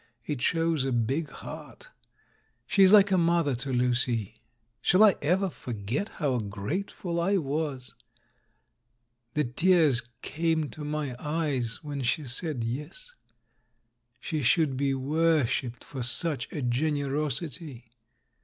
It shows a big heart. She is hke a mother to Lucy. Shall I ever forget how grateful I was I The tears came to my eyes when she said "y^s." She should be worshipped for such a generosity.